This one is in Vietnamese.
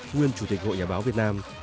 nguyên chủ tịch hội nhà báo việt nam